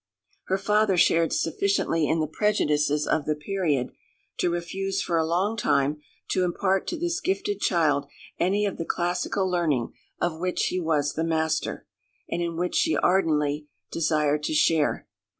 Her father shared sufficiently in the prejudices of the period to refuse for a long time to impart to this gifted child any of the classical learning of which he was the master, and in which she ardently desired to share.